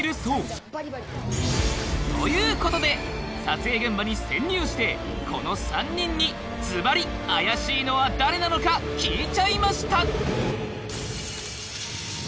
話題の実はということで撮影現場に潜入してこの３人にずばり怪しいのは誰なのか聞いちゃいました